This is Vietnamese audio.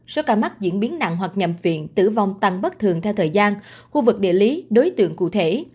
số ca mắc diễn biến nặng hoặc nhập viện tử vong tăng bất thường theo thời gian khu vực địa lý đối tượng cụ thể